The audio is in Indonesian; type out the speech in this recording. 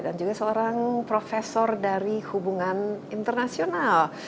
dan juga seorang profesor dari hubungan internasional